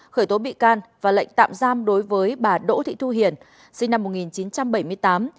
khởi tố bị can và lệnh tạm giam đối với bà đỗ thị thu hiền sinh năm một nghìn chín trăm bảy mươi tám